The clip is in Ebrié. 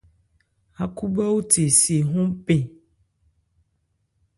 Ákhúbhɛ́óthe se hɔ́n pɛn.